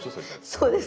そうです。